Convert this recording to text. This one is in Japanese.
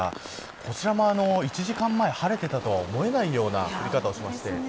こちらも１時間前まで晴れていたとは思えないような降り方をしました。